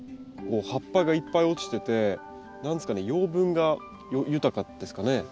こう葉っぱがいっぱい落ちてて何ですかね養分が豊かですかね？